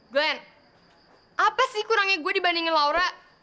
gwen apa sih kurangnya gue dibandingin laura